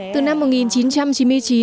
từ năm một nghìn chín trăm chín mươi chín